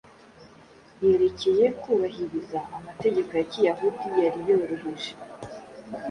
yerekeye kubahiriza amategeko ya kiyahudi yari yoroheje.